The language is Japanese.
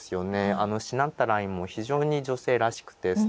あのしなったラインも非常に女性らしくてすてきですよね。